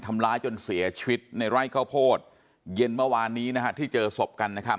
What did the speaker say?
ทำร้ายจนเสียชีวิตในไร่ข้าวโพดเย็นเมื่อวานนี้นะฮะที่เจอศพกันนะครับ